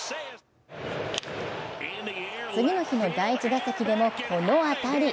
次の日の第１打席でもこの当たり。